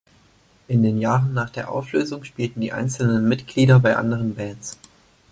In den Jahren nach der Auflösung spielten die einzelnen Mitglieder bei anderen Bands.